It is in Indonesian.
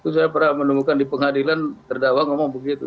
saya pernah menemukan di pengadilan terdakwa ngomong begitu